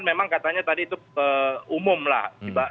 memang katanya tadi itu umum lah